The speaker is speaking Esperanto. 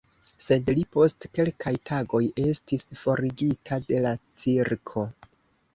Sed li post kelkaj tagoj estis forigita de la cirko.